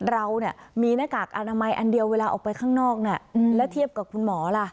เราเนี่ยมีหน้ากากอนามัยอันเดียวเวลาออกไปข้างนอกแล้วเทียบกับคุณหมอล่ะ